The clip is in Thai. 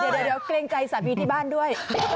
เดี๋ยวเกรงใจสามีที่บ้านด้วย